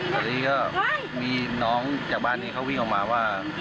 ตอนนี้ก็มีน้องจากบ้านนี้เขาวิ่งออกมาว่า